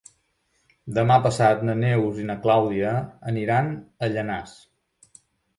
Demà passat na Neus i na Clàudia aniran a Llanars.